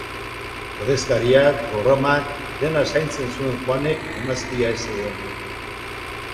Ordezkariak, programak... dena zaintzen zuen Juanek emaztea ez zegoenean.